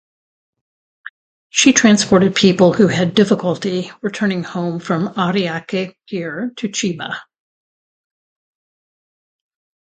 She transported people who had difficulty returning home from Ariake Pier to Chiba.